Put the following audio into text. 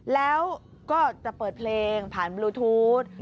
แล้วก็จะเปิดเพลงผ่านบลูทูธ